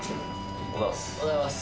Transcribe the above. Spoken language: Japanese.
おはようございます。